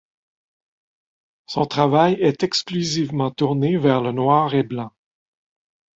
Son travail est exclusivement tourné vers le noir et blanc.